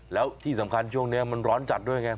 แล้วที่สำคัญช่วงนี้มันร้อนจัดด้วยไง